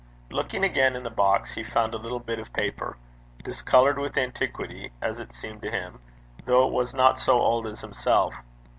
Looking again in the box, he found a little bit of paper, discoloured with antiquity, as it seemed to him, though it was not so old as himself.